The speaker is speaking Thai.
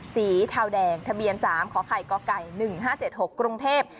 เทาแดงทะเบียน๓ขอไข่กไก่๑๕๗๖กรุงเทพ